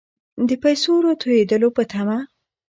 د پیسو راتوېدلو په طمع.